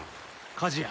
火事や。